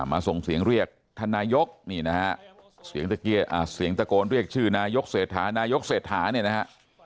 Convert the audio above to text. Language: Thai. ส่งเสียงเรียกท่านนายกนี่นะฮะเสียงตะโกนเรียกชื่อนายกเศรษฐานายกเศรษฐาเนี่ยนะฮะ